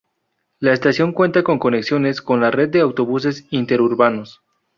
La estación cuenta con conexiones con la red de autobuses interurbanos.